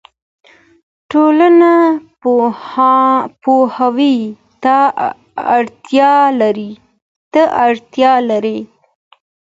ټولنه پوهاوي ته اړتیا لري.